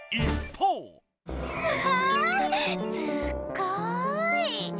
うわすっごい！